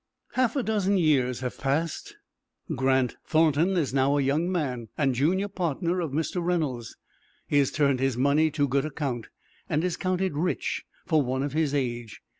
Half a dozen years have passed. Grant Thornton is now a young man, and junior partner of Mr. Reynolds. He has turned his money to good account, and is counted rich for one of his age.